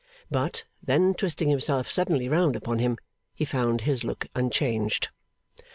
But, then twisting himself suddenly round upon him, he found his look unchanged.